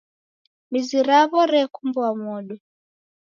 Mizi raw'o rekumbwa modo.